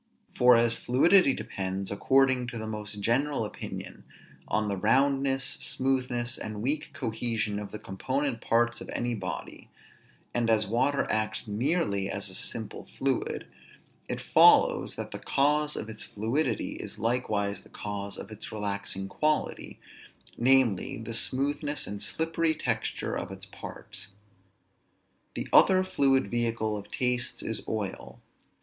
For as fluidity depends, according to the most general opinion, on the roundness, smoothness, and weak cohesion of the component parts of any body, and as water acts merely as a simple fluid, it follows that the cause of its fluidity is likewise the cause of its relaxing quality, namely, the smoothness and slippery texture of its parts. The other fluid vehicle of tastes is oil.